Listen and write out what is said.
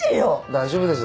大丈夫です。